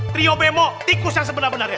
trio bemo tikus yang sebenar benarnya